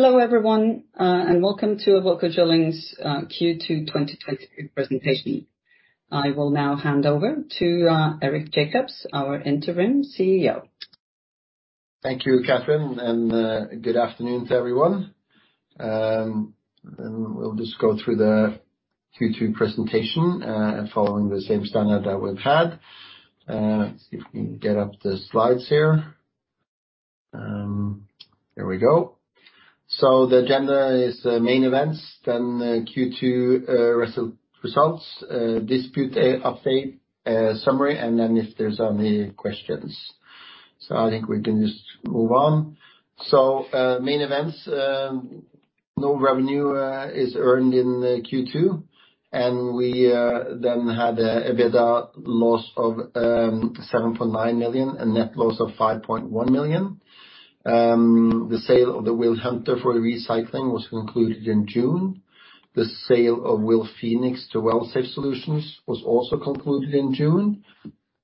Hello everyone, and welcome to Awilco Drilling's Q2 2020 presentation. I will now hand over to Eric Jacobs, our Interim CEO. Thank you, Cathrine, and good afternoon to everyone. We'll just go through the Q2 presentation and following the same standard that we've had. Let's see if we can get up the slides here. Here we go. The agenda is the main events, then the Q2 results, dispute update, summary, and then if there's any questions. I think we can just move on. Main events, no revenue is earned in Q2, and we then had a EBITDA loss of $7.9 million and net loss of $5.1 million. The sale of the WilHunter for the recycling was concluded in June. The sale of WilPhoenix to Well-Safe Solutions was also concluded in June.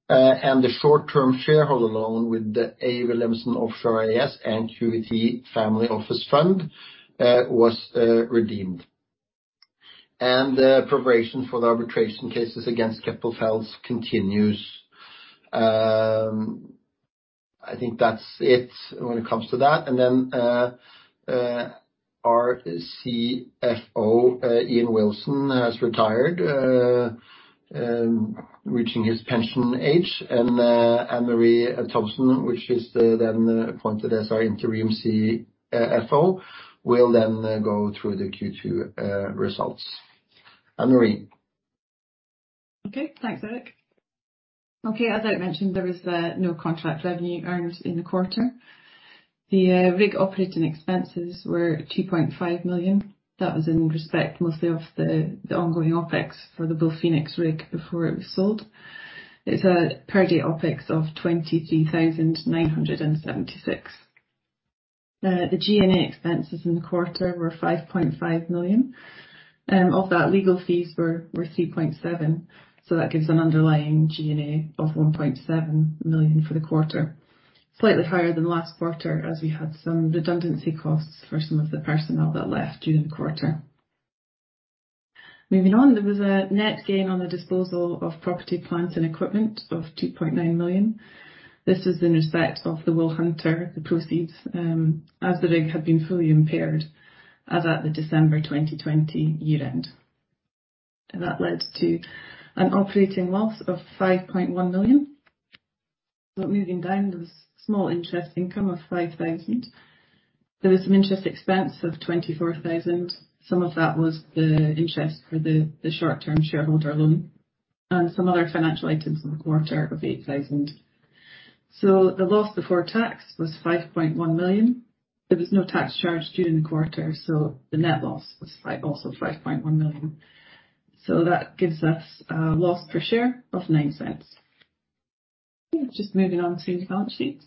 The short-term shareholder loan with Awilhelmsen Offshore AS and QVT Family Office Fund LP was redeemed. The preparation for the arbitration cases against Keppel FELS continues. I think that's it when it comes to that. Our CFO, Ian Wilson, has retired, reaching his pension age, and Anne-Marie Thomson, which is then appointed as our Interim CFO, will then go through the Q2 results. Anne-Marie. Okay, thanks, Eric. Okay, as I mentioned, there was no contract revenue earned in the quarter. The rig operating expenses were $2.5 million. That was in respect mostly of the ongoing OpEx for the WilPhoenix rig before it was sold. It's a per day OpEx of $23,976. The G&A expenses in the quarter were $5.5 million. Of that, legal fees were $3.7 million, so that gives an underlying G&A of $1.7 million for the quarter. Slightly higher than last quarter, as we had some redundancy costs for some of the personnel that left during the quarter. Moving on. There was a net gain on the disposal of property, plant, and equipment of $2.9 million. This is in respect of the WilHunter, the proceeds, as the rig had been fully impaired as at the December 2020 year end. That led to an operating loss of $5.1 million. Moving down, there was small interest income of $5 thousand. There was some interest expense of $24 thousand. Some of that was the interest for the short-term shareholder loan. Some other financial items in the quarter of $8 thousand. The loss before tax was $5.1 million. There was no tax charge during the quarter, so the net loss was also $5.1 million. That gives us a loss per share of $0.09. Yeah, just moving on to the balance sheet.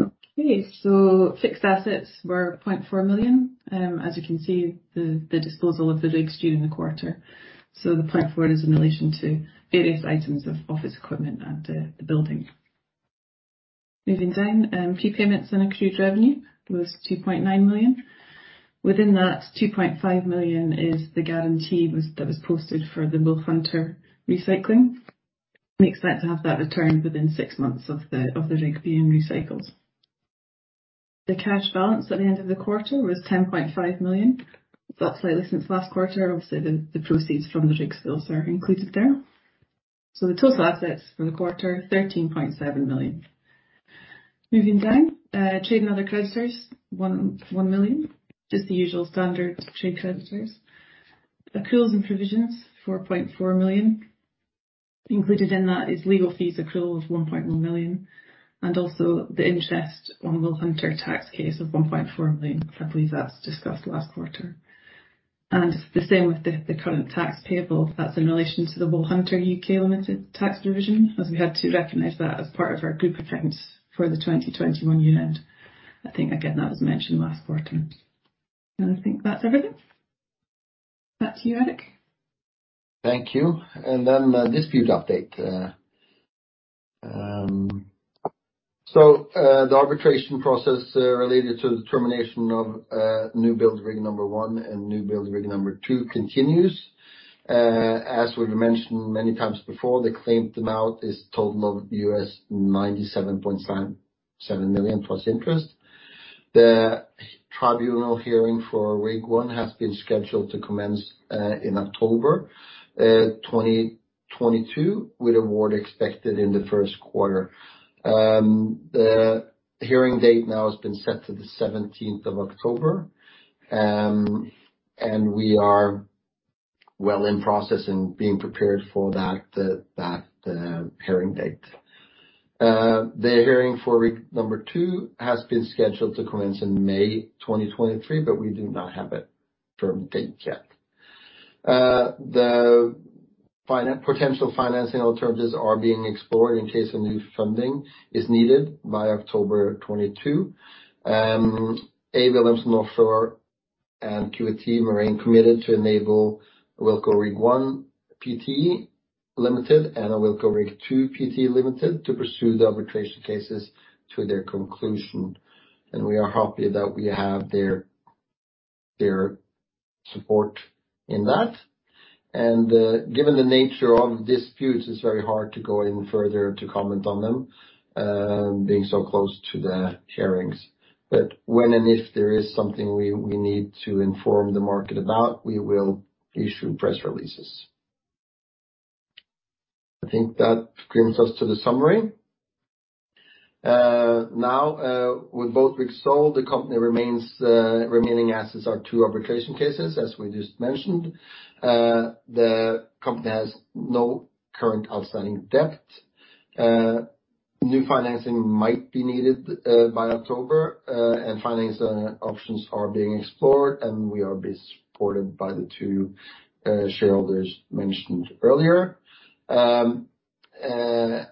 Okay, fixed assets were $0.4 million. As you can see, the disposal of the rigs during the quarter. The $0.4 million is in relation to various items of office equipment and, the building. Moving down. Prepayments and accrued revenue was $2.9 million. Within that, $2.5 million is the guarantee that was posted for the WilHunter recycling. We expect to have that returned within six months of the rig being recycled. The cash balance at the end of the quarter was $10.5 million. It's up slightly since last quarter. Obviously, the proceeds from the rig sales are included there. The total assets for the quarter, $13.7 million. Moving down. Trade and other creditors, $1 million. Just the usual standard trade creditors. Accruals and provisions, $4.4 million. Included in that is legal fees accrual of $1.1 million, and also the interest on WilHunter tax case of $1.4 million. I believe that's discussed last quarter. The same with the current tax payable. That's in relation to the WilHunter (UK) Limited tax provision, as we had to recognize that as part of our group accounts for the 2021 year end. I think, again, that was mentioned last quarter. I think that's everything. Back to you, Eric. Thank you. Dispute update. The arbitration process related to the termination of newbuild rig number one and newbuild rig number two continues. As we've mentioned many times before, the claimed amount is total of $97.77 million plus interest. The tribunal hearing for rig one has been scheduled to commence in October 2022, with award expected in the first quarter. The hearing date now has been set to the 17th of October, and we are well in process in being prepared for that hearing date. The hearing for rig number two has been scheduled to commence in May 2023, but we do not have a firm date yet. Potential financing alternatives are being explored in case a new funding is needed by October 2022. Awilhelmsen Offshore AS and QVT remain committed to enable Awilco Rig 1 Pte. Ltd. and Awilco Rig 2 Pte. Ltd. to pursue the arbitration cases to their conclusion. We are happy that we have their support in that. Given the nature of disputes, it's very hard to go any further to comment on them, being so close to the hearings. When and if there is something we need to inform the market about, we will issue press releases. I think that brings us to the summary. Now, with both rigs sold, the company's remaining assets are two arbitration cases, as we just mentioned. The company has no current outstanding debt. New financing might be needed by October. Financing options are being explored, and we are being supported by the two shareholders mentioned earlier. We're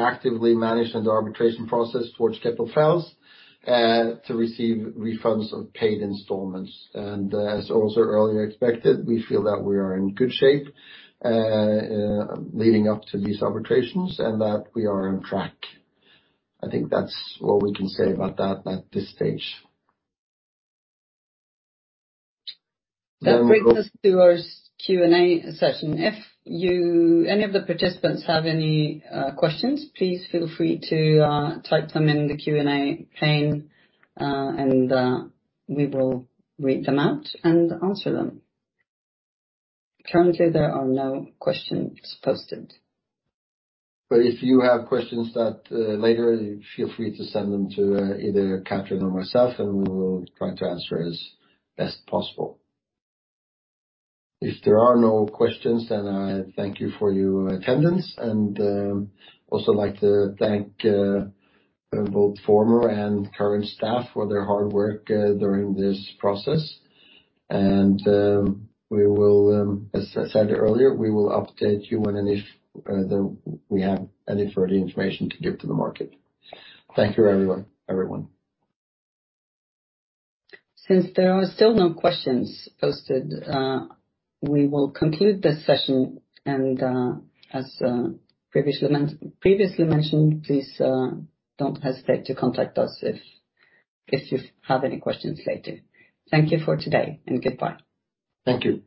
actively managing the arbitration process towards Keppel FELS, to receive refunds of paid installments. As also earlier expected, we feel that we are in good shape, leading up to these arbitrations and that we are on track. I think that's all we can say about that at this stage. That brings us to our Q&A session. If any of the participants have any questions, please feel free to type them in the Q&A pane, and we will read them out and answer them. Currently, there are no questions posted. If you have questions that later, feel free to send them to either Cathrine or myself, and we will try to answer as best possible. If there are no questions, then I thank you for your attendance and also like to thank both former and current staff for their hard work during this process. We will, as I said earlier, update you when we have any further information to give to the market. Thank you, everyone. Since there are still no questions posted, we will conclude this session and, as previously mentioned, please don't hesitate to contact us if you have any questions later. Thank you for today and goodbye. Thank you.